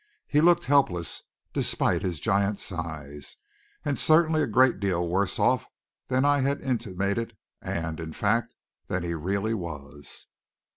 He looked helpless, despite his giant size; and certainly a great deal worse off than I had intimated, and, in fact, than he really was.